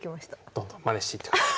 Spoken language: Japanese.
どんどんまねしてみてください。